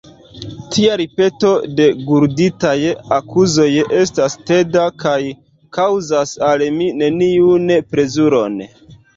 Tia ripeto de gurditaj akuzoj estas teda, kaj kaŭzas al mi neniun plezuron.